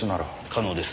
可能です。